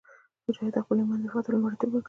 مجاهد د خپل ایمان دفاع ته لومړیتوب ورکوي.